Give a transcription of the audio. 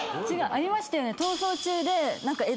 ありましたよね。